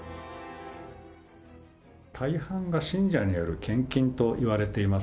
大半が信者による献金といわれています。